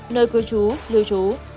nơi cư trú lưu trú